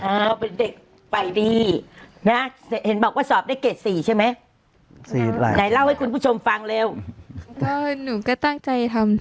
อ่าวเป็นเด็กไฟดีนะเห็นบอกว่าสอบได้เกษ๔ใช่ไหม